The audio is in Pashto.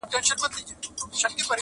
ایوبه توره دي د چا تر لاسه ورسېده-